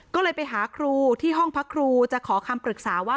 ก็เลยไปหาครูที่ห้องพระครูจะขอคำปรึกษาว่า